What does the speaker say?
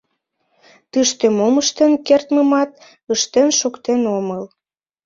— Тыште мом ыштен кертмымат ыштен шуктен омыл.